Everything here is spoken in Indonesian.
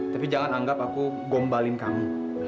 tapi jangan anggap aku gombalin kamu